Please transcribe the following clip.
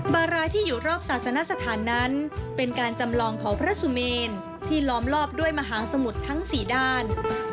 บาราที่อยู่รอบศาสนสถานนั้นเป็นการจำลองของพระสุเมนที่ล้อมรอบด้วยมหาสมุทรทั้ง๔ด้าน